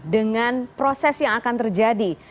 dengan proses yang akan terjadi